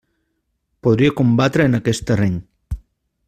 Podria combatre en aquest terreny.